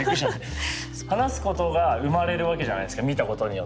話すことが生まれるわけじゃないですか見たことによって。